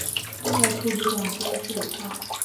带出旅馆边吃午餐